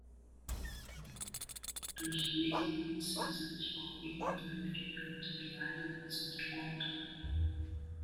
Durch Laserpulse lassen sich auch weniger leitfähige Materialien und Isolatoren untersuchen.